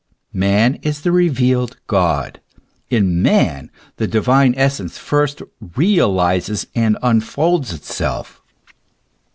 Man is the revealed God : in man the divine essence first realizes and unfolds itself.